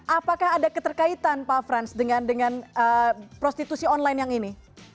apakah ada keterkaitan pak frans dengan prostitusi online yang ini